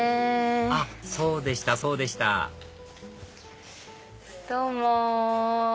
あっそうでしたそうでしたどうも。